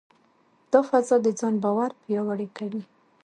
دا فضا د ځان باور پیاوړې کوي.